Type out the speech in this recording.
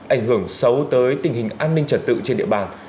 ảnh hưởng xấu tới tình hình an ninh trật tự trên địa bàn